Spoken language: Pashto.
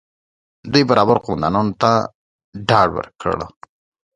دوی بربر قومندانانو ته ډاډ ورکړي